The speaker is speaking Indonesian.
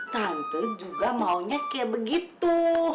tante juga maunya kayak begitu